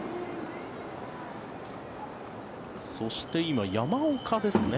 そして今、山岡ですね。